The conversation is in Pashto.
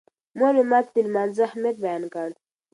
مور مې ماته د لمانځه اهمیت بیان کړ.